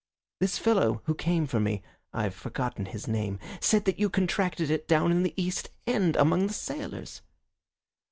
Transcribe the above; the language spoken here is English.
"The fellow who came for me I've forgotten his name said that you contracted it down in the East End among the sailors."